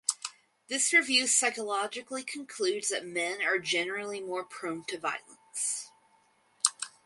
This review psychologically concludes that men are generally more prone to violence.